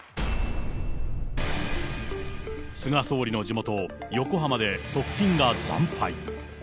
菅総理の地元、横浜で側近が惨敗。